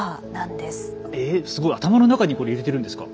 えっすごい頭の中にこれ入れてるんですか？